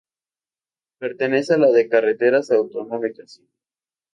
Pertenece a la de carreteras autonómicas.